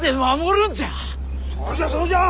そうじゃそうじゃ！